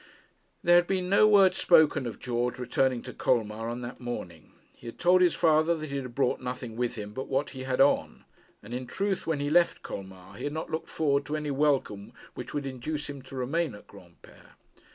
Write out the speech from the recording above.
There had been no word spoken of George returning to Colmar on that morning. He had told his father that he had brought nothing with him but what he had on; and in truth when he left Colmar he had not looked forward to any welcome which would induce him to remain at Granpere.